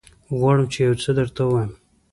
غواړم چې يوڅه درته ووايم.